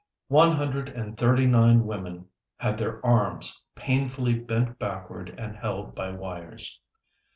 One hundred and thirty nine women had their arms painfully bent backward and held by wires.